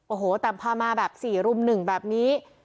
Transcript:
โอ้โหตามภามาแบบสี่รุ่มหนึ่งแบบนี้